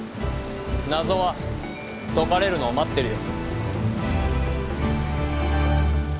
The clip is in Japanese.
謎は解かれるのを待ってるよ。